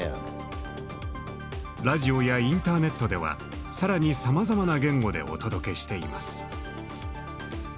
ラジオやインターネットでは更にさまざまな言語でお届けしています。